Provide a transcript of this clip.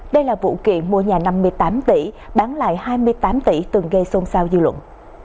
đây là vụ kiện mua nhà năm mươi tám tỷ bán lại hai mươi tám tỷ từng gây xôn xao dư luận